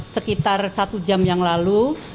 sekitar satu jam yang lalu